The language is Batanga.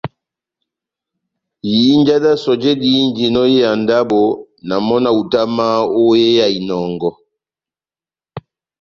Ihinja d́ sɔjɛ dihínjinɔ ó hé ya ndábo, na mɔ́ na hutamahá ó ya inɔngɔ.